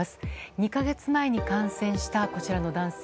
２か月前に感染したこちらの男性。